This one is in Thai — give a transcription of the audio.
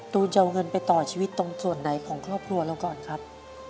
ตูนจะเอาเงินไปต่อชีวิตตรงส่วนไหนของครอบครัวเราก่อนครับ